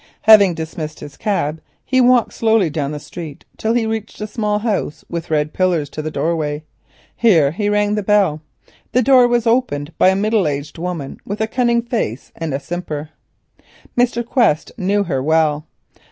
Having dismissed his cab, he walked slowly down the street till he reached a small house with red pillars to the doorway. Here he rang the bell. The door was opened by a middle aged woman with a cunning face and a simper. Mr. Quest knew her well.